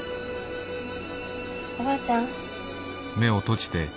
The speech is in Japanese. おばあちゃん。